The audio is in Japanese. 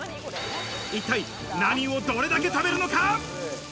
一体何をどれだけ食べるのか？